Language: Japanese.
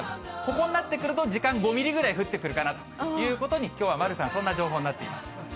ここになってくると、時間５ミリぐらい降ってくるかなということに、きょうは丸さん、そんな情報になっています。